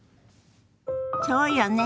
そうよね。